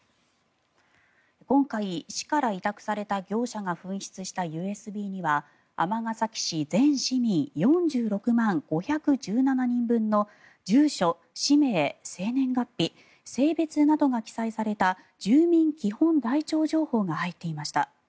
今回、市から委託された業者が紛失したＵＳＢには尼崎市全市民４６万５１７人分の住所、氏名、生年月日性別などが記載された住民基本台帳情報が入っていました。